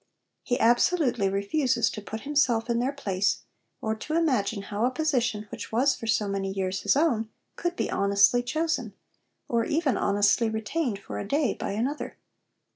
He absolutely refuses to put himself in their place, or to imagine how a position which was for so many years his own could be honestly chosen, or even honestly retained for a day, by another.